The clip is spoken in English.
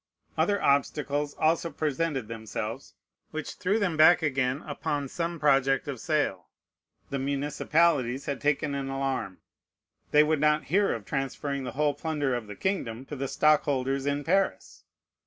Other obstacles also presented themselves, which threw them back again upon some project of sale. The municipalities had taken an alarm. They would not hear of transferring the whole plunder of the kingdom to the stockholders in Paris.